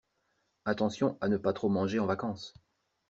Attention à ne pas trop manger en vacances.